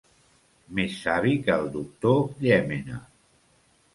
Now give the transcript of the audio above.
Més savi que el doctor Llémena.